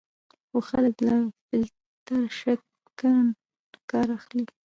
خو خلک له فیلټر شکن کار اخلي.